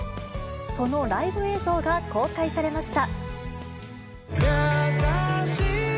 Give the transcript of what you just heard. そのライブ映像が公開されました。